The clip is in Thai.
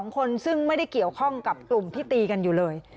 ๒คนซึ่งไม่ได้เกี่ยวข้องกับกลุ่มที่ตีกันอยู่เลย